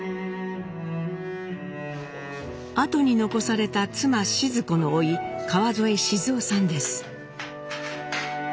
あとに残された妻シヅ子のおい川添静男さんです。